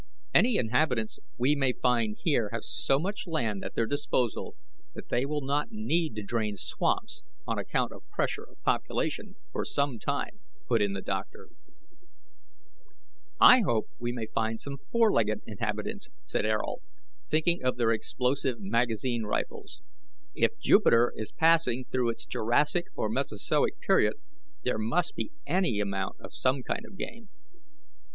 "Any inhabitants we may find here have so much land at their disposal that they will not need to drain swamps on account of pressure of population for some time," put in the doctor. "I hope we may find some four legged inhabitants," said Ayrault, thinking of their explosive magazine rifles. "If Jupiter is passing through its Jurassic or Mesozoic period, there must be any amount of some kind of game."